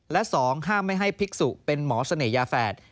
และ๒ห้ามไม่ให้ภิกษุเป็นหมอเสน่หยาแฝด